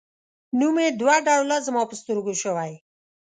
نوم یې دوه ډوله زما په سترګو شوی.